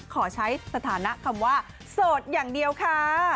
ขอใช้สถานะคำว่าโสดอย่างเดียวค่ะ